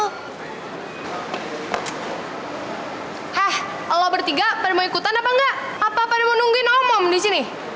hah lo bertiga pada mau ikutan apa enggak apa apaan mau nungguin om om di sini